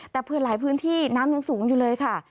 แต่เผื่อหลายพื้นที่น้ำยังสูงอยู่เลยค่ะ